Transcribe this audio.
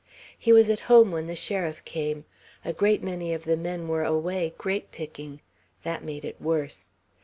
He was at home when the sheriff came. A great many of the men were away, grapepicking. That made it worse.